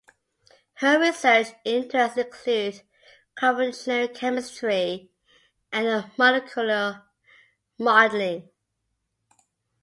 Her research interests include computational chemistry and molecular modelling.